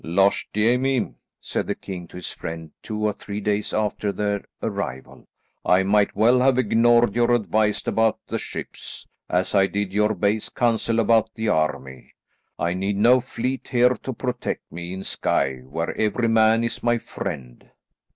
"Losh, Jamie," said the king to his friend two or three days after their arrival, "I might well have ignored your advice about the ships, as I did your base counsel about the army. I need no fleet here to protect me in Skye where every man is my friend."